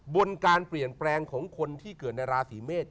บนการเปลี่ยนแปลงของคนที่เกิดในราศีเมษ